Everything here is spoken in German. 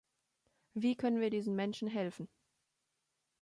Wie können wir diesen Menschen helfen?